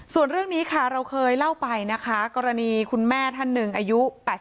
ส่วนเรื่องนี้ค่ะเราเคยเล่าไปนะคะกรณีคุณแม่ท่านหนึ่งอายุ๘๐